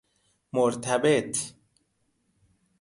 مرتبط